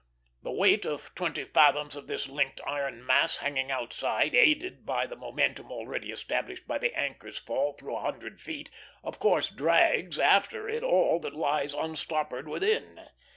The weight of twenty fathoms of this linked iron mass hanging outside, aided by the momentum already established by the anchor's fall through a hundred feet, of course drags after it all that lies unstoppered within.